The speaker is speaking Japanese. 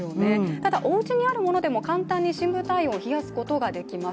ただ、おうちにあるものでも簡単に深部体温を冷やすことができます。